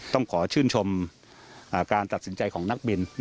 ต้องขอชื่นชมการตัดสินใจของนักบิน